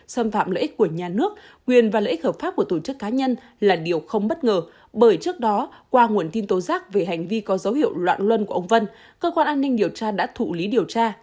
xâm phạm lợi ích của nhà nước quyền và lợi ích hợp pháp của tổ chức cá nhân là điều không bất ngờ bởi trước đó qua nguồn tin tố giác về hành vi có dấu hiệu loạn luân của ông vân cơ quan an ninh điều tra đã thụ lý điều tra